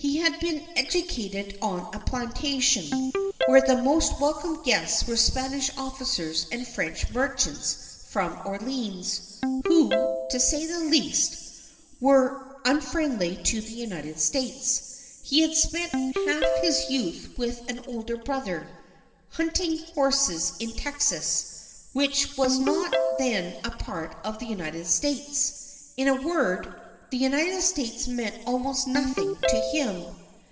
He had been educated on a plantation, where the most welcome guests were Spanish officers and French merchants from Orleans, who, to say the least, were unfriendly to the United States. He had spent half his youth with an older brother, hunting horses in Texas, which was not then a part of the United States. In a word, the "United States" meant almost nothing to him.